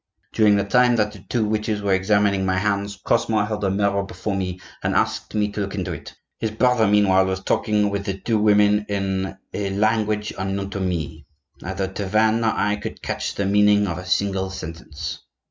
During the time that the two witches were examining my hands Cosmo held a mirror before me and asked me to look into it; his brother, meanwhile, was talking with the two women in a language unknown to me. Neither Tavannes nor I could catch the meaning of a single sentence.